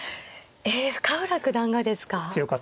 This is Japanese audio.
え深浦九段がですか。